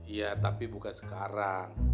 iya tapi bukan sekarang